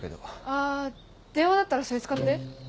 ああ電話だったらそれ使って。